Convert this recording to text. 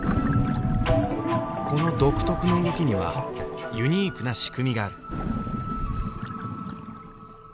この独特の動きにはユニークな仕組みがある。